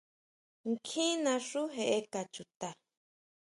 ¿Nkjín naxú jeʼeka chuta?